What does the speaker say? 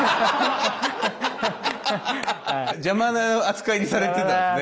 邪魔な扱いにされてたんですね。